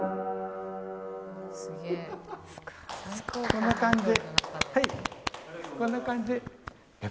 こんな感じ。